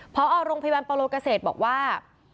พอโรงพยาบาลโปโลเกษตรบอกว่า